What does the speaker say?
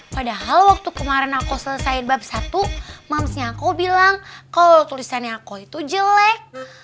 padahal waktu kemarin aku selesai bab satu mumsnya aku bilang kok tulisannya aku itu jelek